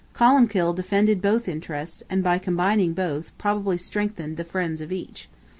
Columbkill defended both interests, and, by combining both, probably strengthened the friends of each.